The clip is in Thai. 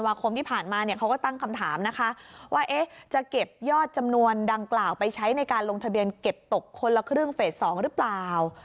คมที่ผ่านมาเนี่ยเขาก็ตั้งคำถามนะคะว่าจะเก็บยอดจำนวนดังกล่าวไปใช้ในการลงทะเบียนเก็บตกคนละครึ่งเฟส๒หรือเปล่า